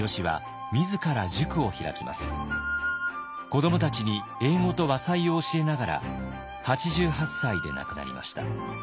子どもたちに英語と和裁を教えながら８８歳で亡くなりました。